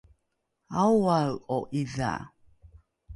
aoae’o ’idha?